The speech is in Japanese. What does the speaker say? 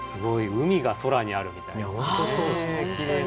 海が空にあるみたいですね。